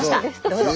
どうぞ。